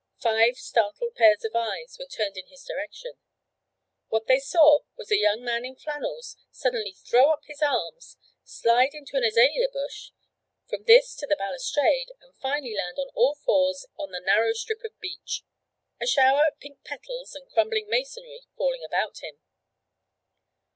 Five startled pairs of eyes were turned in his direction. What they saw, was a young man in flannels suddenly throw up his arms, slide into an azalea bush, from this to the balustrade, and finally land on all fours on the narrow strip of beach, a shower of pink petals and crumbling masonry falling about him.